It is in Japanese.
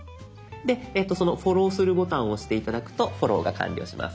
その「フォローする」ボタンを押して頂くとフォローが完了します。